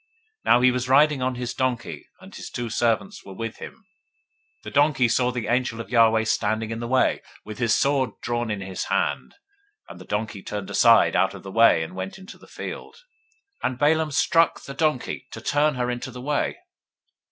Now he was riding on his donkey, and his two servants were with him. 022:023 The donkey saw the angel of Yahweh standing in the way, with his sword drawn in his hand; and the donkey turned aside out of the way, and went into the field: and Balaam struck the donkey, to turn her into the way.